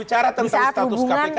di saat hubungan